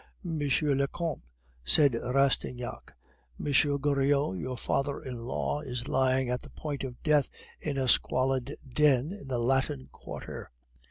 "Monsieur le Comte," said Rastignac, "M. Goriot, your father in law, is lying at the point of death in a squalid den in the Latin Quarter.